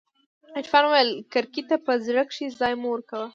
عرفان وويل کرکې ته په زړه کښې ځاى مه ورکوه.